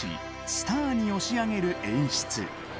スターに押し上げる演出。